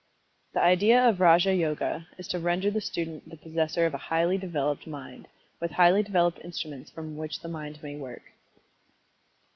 The idea of Raja Yoga is to render the student the possessor of a highly developed Mind, with highly developed instruments with which the mind may work.